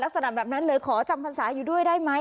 ลักษณะแบบนั้นเลยขอจำพรรษาอยู่ด้วยได้ไหม